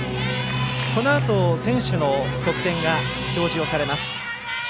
このあと選手の得点が表示されます。